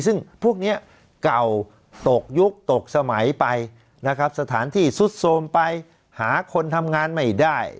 ซึ่งพวกนี้เก่าตกยุคตกสมัยไปนะครับสถานที่ซุดโทรมไปหาคนทำงานไม่ได้